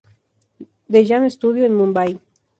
The Jam Studio" en Mumbai.